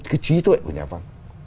cái trí tuệ của nhà văn